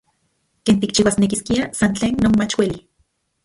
Ken tikchiuasnekiskia san tlen non mach ueli.